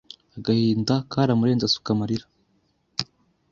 agahinda karamurenze asuka amarira.